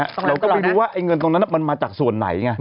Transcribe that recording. เราก็ไม่รู้ว่าไอ้เงินตรงนั้นมันมาจากส่วนไหนไง